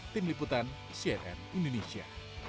tim liputan cnn indonesia